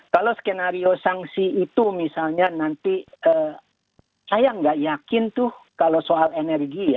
kalau skenario sanksi itu misalnya nanti saya nggak yakin tuh kalau soal energi ya